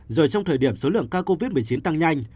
rồi trong thời điểm số lượng ca covid một mươi chín tăng nhanh